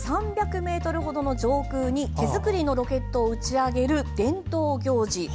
３００ｍほどの上空に手作りのロケットを打ち上げる伝統行事